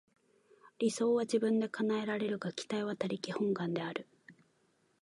理想は自分で叶えられるが、期待は他力本願である。